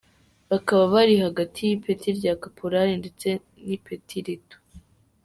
Bakaba bari hagati y’ipeti rya Kaporali ndetse n’ipeti rito.